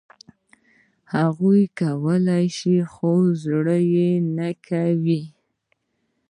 هغوی کولای شول، خو زړه یې نه کاوه.